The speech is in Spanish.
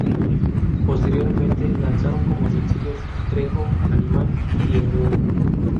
Posteriormente lanzaron como sencillos "Trejo", "Animal", y "El Duende".